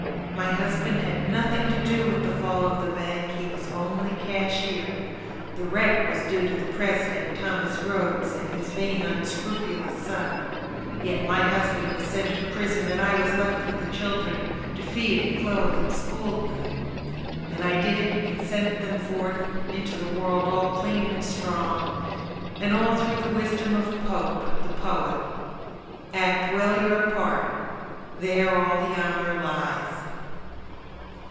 My husband had nothing to do With the fall of the bank—he was only cashier. The wreck was due to the president, Thomas Rhodes, And his vain, unscrupulous son. Yet my husband was sent to prison, And I was left with the children, To feed and clothe and school them. And I did it, and sent them forth Into the world all clean and strong, And all through the wisdom of Pope, the poet: "Act well your part, there all the honor lies."